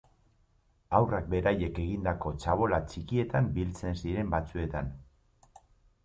Haurrak beraiek egindako txabola txikietan biltzen ziren batzuetan.